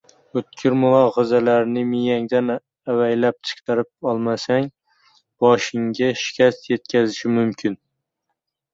O‘tkir mulohazalarni miyangdan avaylab chiqarib olmasang, boshingga shikast yetkazishi mumkin.